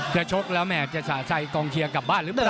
ถ้าชกแล้วแม่จะสะใจกองเชียร์กลับบ้านหรือเปล่า